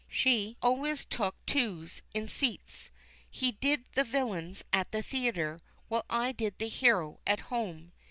She always took "twos" in seats. He did the villains at the theatre, while I did the hero at home.